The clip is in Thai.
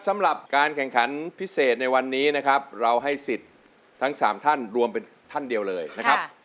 สำหรับการแข่งขันพิเศษในวันนี้นะครับเราให้สิทธิ์ทั้งสามท่านรวมเป็นท่านเดียวเลยนะครับ